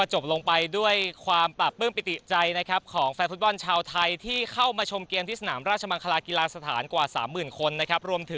หมุ่มถึงแฟนฟุตบอลไทยทั่วประเทศนะครับ